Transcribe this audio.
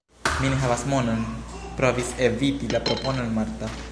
Mi ne havas monon – provis eviti la proponon Marta.